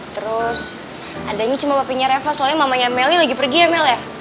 terus adanya cuma bapinya reva soalnya mamanya melly lagi pergi ya mel ya